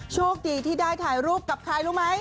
โชคดีที่ได้ถ่ายรูปกับใครรู้ไหม